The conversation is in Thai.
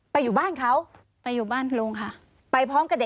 ไปอยู่บ้านเขา